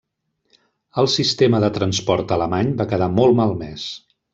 El sistema de transport alemany va quedar molt malmès.